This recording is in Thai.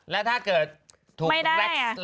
แล้วถ้าเกิดถูกแร็กซ์แล้วทำยังไงไม่ได้